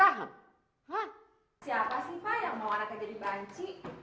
hahaha siapa sih pak yang mau anaknya jadi banci